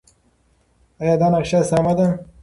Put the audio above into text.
ایا دا نقشه سمه ده؟